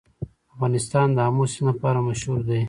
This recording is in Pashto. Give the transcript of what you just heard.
افغانستان د آمو سیند لپاره مشهور دی.